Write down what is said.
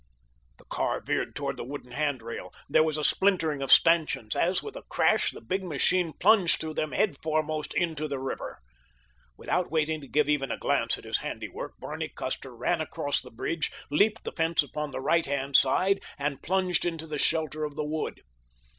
The car veered toward the wooden handrail, there was a splintering of stanchions, as, with a crash, the big machine plunged through them headforemost into the river. Without waiting to give even a glance at his handiwork Barney Custer ran across the bridge, leaped the fence upon the right hand side and plunged into the shelter of the wood.